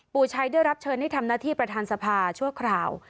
ปู่ชัยได้รับเชิญให้ทำหน้าที่ประธานสภาชั่วคราว